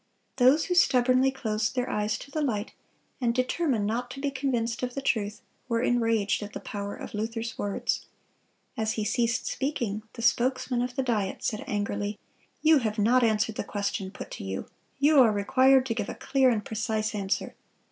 Those who stubbornly closed their eyes to the light, and determined not to be convinced of the truth, were enraged at the power of Luther's words. As he ceased speaking, the spokesman of the Diet said angrily, "You have not answered the question put to you.... You are required to give a clear and precise answer....